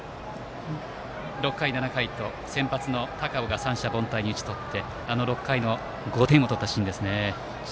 ６回、７回と先発の高尾が三者凡退に打ち取って６回の５点を取ったシーンですね。